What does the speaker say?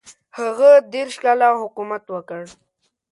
هغه دېرش کاله حکومت وکړ.